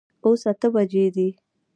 اوس اته بجي دي